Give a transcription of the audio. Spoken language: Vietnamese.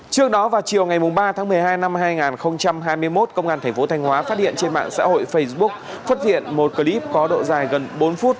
trước đó vào chiều ngày ba tháng một mươi hai năm hai nghìn hai mươi một công an thành phố thanh hóa phát hiện trên mạng xã hội facebook xuất hiện một clip có độ dài gần bốn phút